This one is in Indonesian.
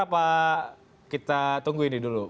apa kita tunggu ini dulu